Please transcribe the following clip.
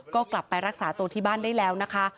ก็กลับไปรักษาตัวที่บ้านได้แล้วนะคะ